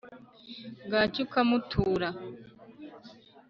bwacya ukamutura